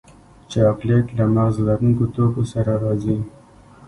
چاکلېټ له مغز لرونکو توکو سره راځي.